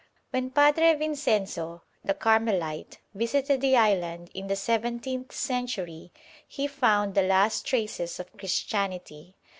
When Padre Vincenzo the Carmelite visited the island in the seventeenth century he found the last traces of Christianity.